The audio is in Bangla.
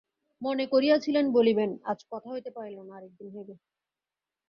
মনে করিয়াছিলেন বলিবেন–আজ কথা হইতে পারিল না, আর-এক দিন হইবে।